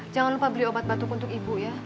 jangan lupa beli obat batuk untuk ibu ya